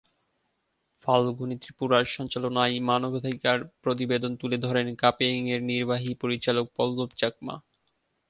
ফাল্গুনী ত্রিপুরার সঞ্চালনায় মানবাধিকার প্রতিবেদন তুলে ধরেন কাপেংয়ের নির্বাহী পরিচালক পল্লব চাকমা।